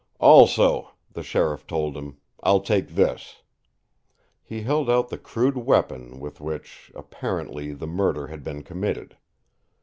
"Also," the sheriff told him, "I'll take this." He held out the crude weapon with which, apparently, the murder had been committed.